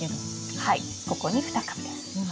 はいここに２株です。